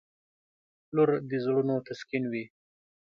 • لور د زړونو تسکین وي.